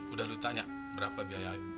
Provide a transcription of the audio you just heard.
udah lu tanya berapa biaya